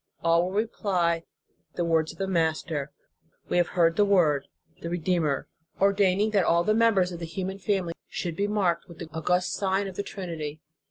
All will reply: The words of the Master. We have heard the Word, the Redeemer, drdaining that all the members of the human family should be marked with the august Sign of the Trinity.